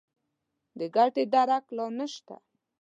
د ګټې درک لا نه شته.